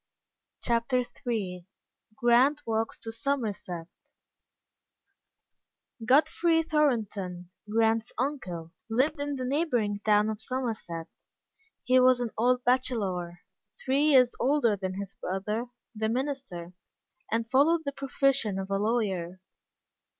CHAPTER III GRANT WALKS TO SOMERSET GODFREY THORNTON, Grant's uncle, lived in the neighboring town of Somerset. He was an old bachelor, three years older than his brother, the minister, and followed the profession of a lawyer.